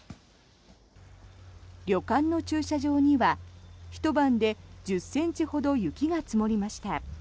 旅館の駐車場にはひと晩で１０ｃｍほど雪が積もりました。